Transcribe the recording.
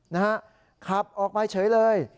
นะฮะขับออกมาเฉยเลย